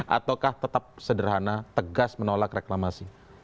ataukah tetap sederhana tegas menolak reklamasi